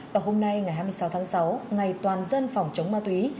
và hôm nay ngày hai mươi sáu tháng sáu ngày toàn dân phòng chống ma túy